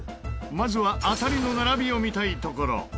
まずは当たりの並びを見たいところ。